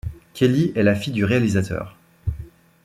Kelly est la fille du réalisateur.